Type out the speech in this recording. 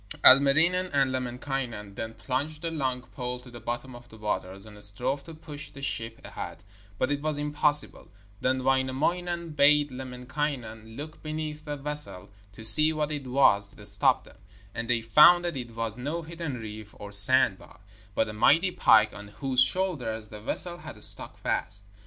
Ilmarinen and Lemminkainen then plunged a long pole to the bottom of the waters, and strove to push the ship ahead, but it was impossible. Then Wainamoinen bade Lemminkainen look beneath the vessel to see what it was that stopped them, and they found that it was no hidden reef or sand bar, but a mighty pike on whose shoulders the vessel had stuck fast.